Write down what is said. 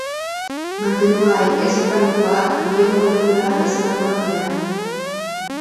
Mantenugai ez-organikoak biomolekula ez-organikoak dira